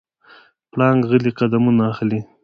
پړانګ غلی قدمونه اخلي.